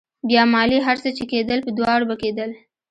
بيا مالې هر څه چې کېدل په دواړو به کېدل.